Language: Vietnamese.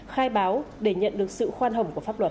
khai báo để nhận được sự khoan hồng của pháp luật